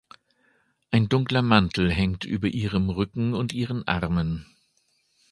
Ein dunkler Mantel hängt über ihrem Rücken und ihren Armen.